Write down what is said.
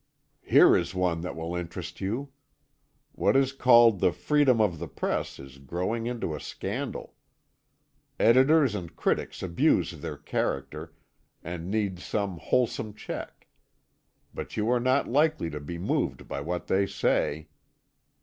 "Here is one that will interest you. What is called the freedom of the press is growing into a scandal. Editors and critics abuse their charter, and need some wholesome check. But you are not likely to be moved by what they say."